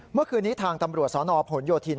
เมื่อคืนนี้ทางตำรวจสนผลโยธิน